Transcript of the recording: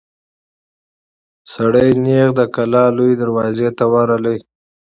سړی نېغ د کلا لويي دروازې ته ورغی.